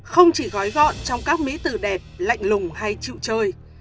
không chỉ gói gọn trong các mỹ từ đẹp lạnh lùng hay chịu chơi